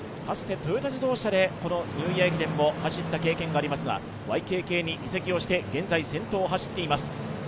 かつてトヨタ自動車でニューイヤー駅伝を走った経験がありますが、ＹＫＫに移籍をして現在先頭を走っています。